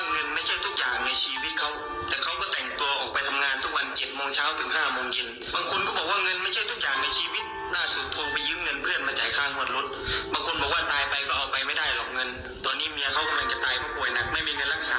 ตอนนี้เมียเขากำลังจะตายเพราะป่วยหนักไม่มีเงินรักษา